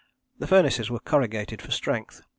The furnaces were corrugated for strength.